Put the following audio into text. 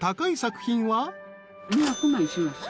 ２００万します。